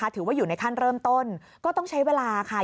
ถือว่าอยู่ในขั้นเริ่มต้นก็ต้องใช้เวลาค่ะ